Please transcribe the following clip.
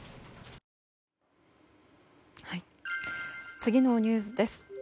次のニュースです。